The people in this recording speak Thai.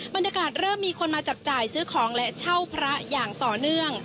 บรรยากาศเริ่มมีคนมาจับจ่ายซื้อของและเช่าพระอย่างต่อเนื่อง